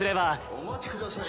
お待ちください